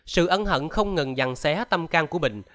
sự ân hận không ngừng dằn xé tâm can của bình